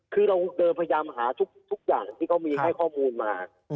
คือเราเดินพยายามหาทุกอย่างที่เขามีให้ข้อมูลมา